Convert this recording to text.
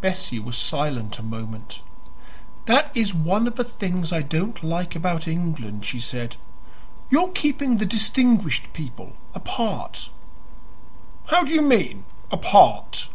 Bessie was silent a moment. "That is one of the things I don't like about England," she said; "your keeping the distinguished people apart." "How do you mean apart?"